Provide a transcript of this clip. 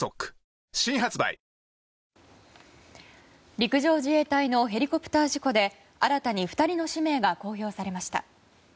陸上自衛隊のヘリコプター事故で新たに２人の氏名が公表されました。